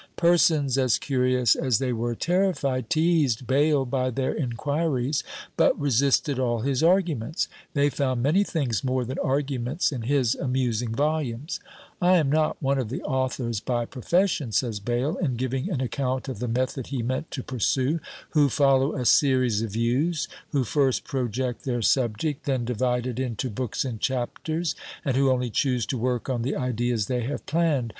Persons as curious as they were terrified teased Bayle by their inquiries, but resisted all his arguments. They found many things more than arguments in his amusing volumes: "I am not one of the authors by profession," says Bayle, in giving an account of the method he meant to pursue, "who follow a series of views; who first project their subject, then divide it into books and chapters, and who only choose to work on the ideas they have planned.